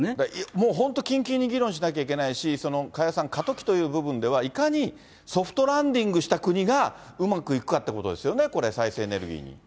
もう本当、近々に議論しなきゃいけないし、加谷さん、過渡期という部分ではいかにソフトランディングした国がうまくいくかってことですよね、これ、再生エネルギーに。